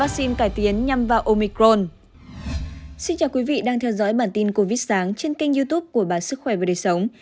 xin chào quý vị đang theo dõi bản tin covid sáng trên kênh youtube của bản sức khỏe và đời sống